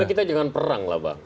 ya tapi kita jangan perang lah bang